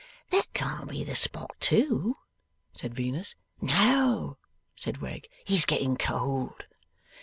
'That can't be the spot too?' said Venus. 'No,' said Wegg, 'he's getting cold.